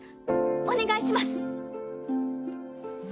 お願いします！